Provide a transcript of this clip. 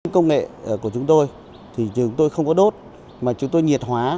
công nghệ của chúng tôi thì chúng tôi không có đốt mà chúng tôi nhiệt hóa